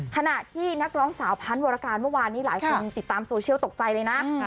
ขณะที่นักร้องสาวพันธ์วรการเมื่อวานนี้หลายคนติดตามโซเชียลตกใจเลยนะ